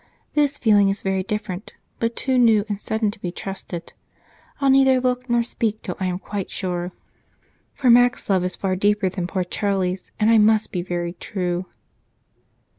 This feeling is very different, but too new and sudden to be trusted. I'll neither look nor speak till I am quite sure, for Mac's love is far deeper than poor Charlie's, and I must be very true."